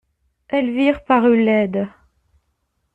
Elvire parut laide.